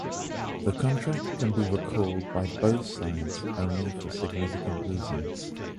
The contract can be recalled by both sides only for significant reasons.